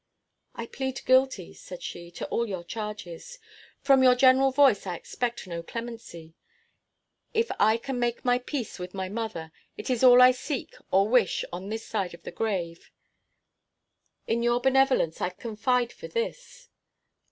"I plead guilty," said she, "to all your charges. From the general voice I expect no clemency. If I can make my peace with my mother, it is all I seek or wish on this side the grave. In your benevolence I confide for this.